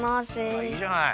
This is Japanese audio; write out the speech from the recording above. あっいいじゃない。